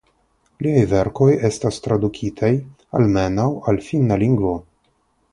Liaj verkoj estas tradukitaj almenaŭ al finna lingvo.